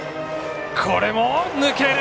これも抜ける。